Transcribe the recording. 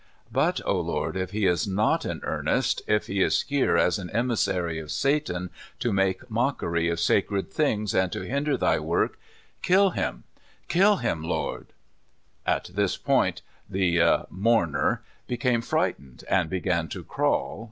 But, O Lord, if he is not in earnest, if he is here as an emissary of Satan, to make mockery of sacred things, and to hinder Thy work, kill him — kill him. Lord "—■ At this point the " mourner " became frightened, and began to crawl.